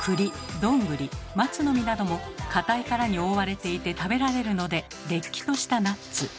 どんぐり松の実なども硬い殻に覆われていて食べられるのでれっきとしたナッツ。